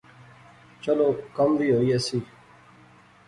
چلو کم وی ہوئی ایسی